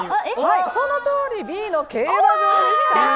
そのとおりＢの競馬場でした。